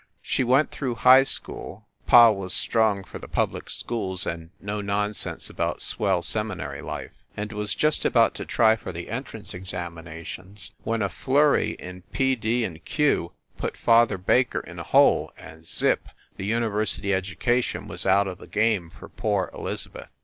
She went through the high school (pa was strong for the public schools and no nonsense about swell semi nary life), and was just about to try for the en trance examinations when a flurry in P. D. & Q. put father Baker in a hole, and zip! the university edu cation was out of the game for poor Elizabeth.